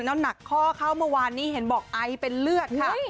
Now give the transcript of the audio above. แล้วหนักข้อเข้าเมื่อวานนี้เห็นบอกไอเป็นเลือดค่ะ